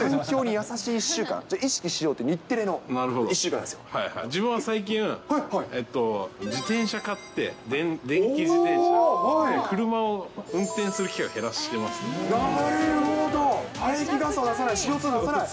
環境に優しい１週間、じゃあ、意識しようって、日テレの１週間なるほど、自分は最近、えっと、自転車買って、電気自転車？車を運転する機会を減らしていまなるほど、排気ガスを出さない、ＣＯ２を出さない。